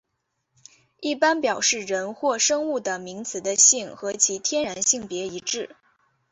一般表示人或生物的名词的性和其天然性别一致。